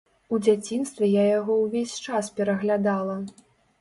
У дзяцінстве я яго ўвесь час пераглядала.